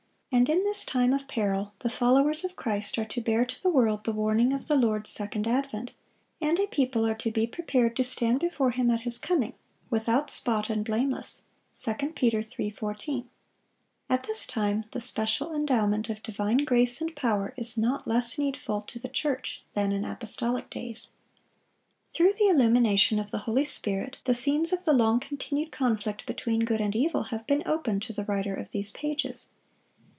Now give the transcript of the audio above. And in this time of peril the followers of Christ are to bear to the world the warning of the Lord's second advent; and a people are to be prepared to stand before Him at His coming, "without spot, and blameless." 2 Peter 3:14. At this time the special endowment of divine grace and power is not less needful to the church than in apostolic days. Through the illumination of the Holy Spirit, the scenes of the long continued conflict between good and evil have been opened to the writer of these pages.